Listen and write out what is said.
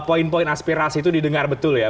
poin poin aspirasi itu didengar betul ya